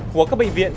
của các bệnh viện